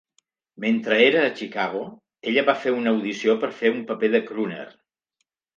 Mentre era a Chicago, ella va fer una audició per fer un paper de crooner.